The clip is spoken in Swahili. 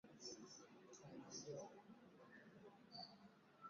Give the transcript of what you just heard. ambapo humaanisha kutoka katika kipindi cha kutengwa